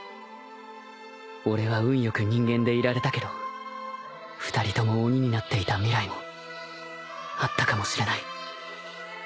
俺は運よく人間でいられたけど２人とも鬼になっていた未来もあったかもしれない